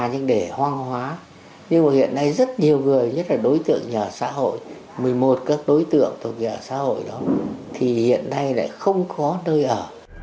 nhưng mà hiện nay rất nhiều người nhất là đối tượng nhà xã hội một mươi một các đối tượng thuộc nhà xã hội đó thì hiện nay lại không có nơi ở